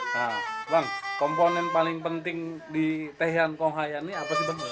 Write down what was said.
nah bang komponen paling penting di tehian konghaya ini apa sih bang